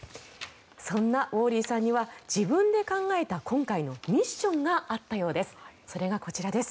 そんなウォーリーさんには自分で考えた今回のミッションがあったようです。